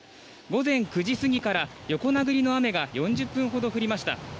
午前９時過ぎから横殴りの雨が４０分ほど降りました。